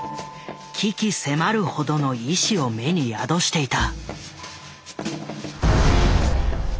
鬼気迫るほどの意思を目に宿していた。